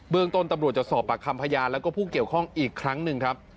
ต้นตำรวจจะสอบปากคำพยานแล้วก็ผู้เกี่ยวข้องอีกครั้งหนึ่งครับ